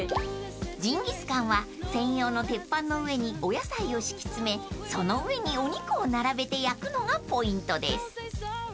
［ジンギスカンは専用の鉄板の上にお野菜を敷き詰めその上にお肉を並べて焼くのがポイントです］